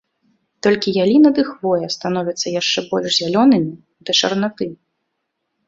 Толькі яліна ды хвоя становяцца яшчэ больш зялёнымі, да чарнаты.